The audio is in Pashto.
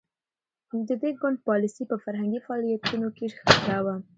د دې ګوند پالیسي په فرهنګي فعالیتونو کې ښکاره وه.